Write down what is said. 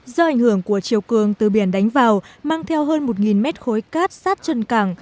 do ảnh hưởng của chiều cường từ biển đánh vào mang theo hơn một mét khối cát sát chân cảng